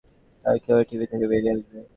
তারা কিভাবে টিভি থেকে বেরিয়ে আসবে?